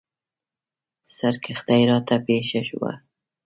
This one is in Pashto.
سرګښتۍ راته پېښه وه.